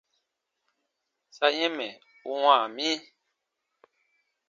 Sa yɛ̃ mɛ̀ u wãa mi.